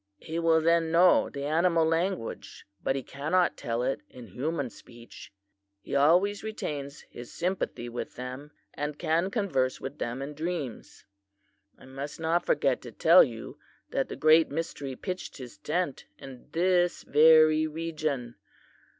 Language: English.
He will then know the animal language but he cannot tell it in human speech. He always retains his sympathy with them, and can converse with them in dreams. "I must not forget to tell you that the Great Mystery pitched his tent in this very region.